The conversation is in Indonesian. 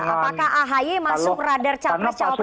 apakah ahy masuk radar capres capresnya nasdem